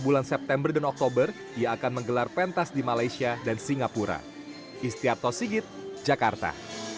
bulan september dan oktober ia akan menggelar pentas di malaysia dan singapura istiarto sigit jakarta